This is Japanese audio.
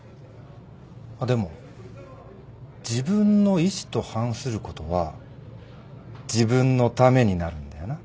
でも自分の意志と反することは自分のためになるんだよな？